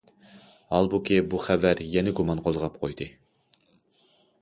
ھالبۇكى، بۇ خەۋەر يەنە گۇمان قوزغاپ قويدى.